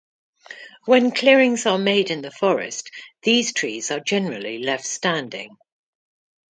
When clearings are made in the forest, these trees are generally left standing.